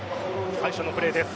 最初のプレーです。